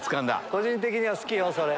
個人的には好きよそれ。